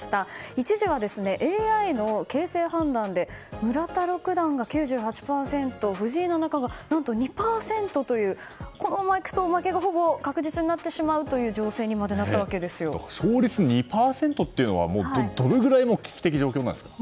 一時はＡＩの形勢判断で村田六段が９８％藤井七冠が何と２％というこのままいくと負けがほぼ確実になってしまうという勝率２％というのはもう、どれぐらい危機的状況なんですか。